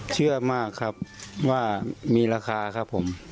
เชื่อมากครับว่ามีราคาครับผม